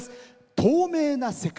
「透明な世界」。